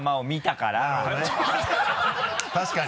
確かに。